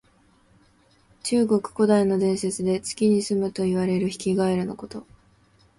中国古代の伝説で、月にすむといわれるヒキガエルのこと。